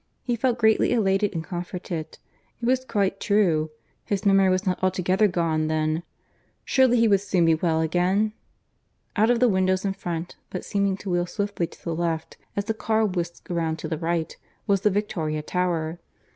(He felt greatly elated and comforted. It was quite true; his memory was not altogether gone then. Surely he would soon be well again!) Out of the windows in front, but seeming to wheel swiftly to the left as the car whisked round to the right, was the Victoria Tower.